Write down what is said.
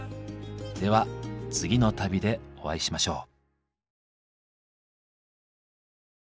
では次の旅でお会いしましょう。